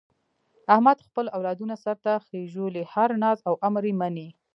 احمد خپل اولادونه سرته خېژولي، هر ناز او امر یې مني.